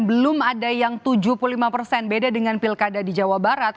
belum ada yang tujuh puluh lima persen beda dengan pilkada di jawa barat